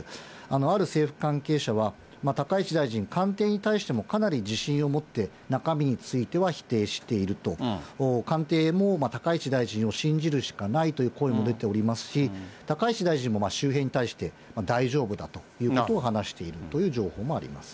ある政府関係者は、高市大臣、官邸に対してもかなり自信を持って、中身については否定していると、官邸も高市大臣を信じるしかないという声も出ておりますし、高市大臣も周辺に対して、大丈夫だということを話しているという情報もあります。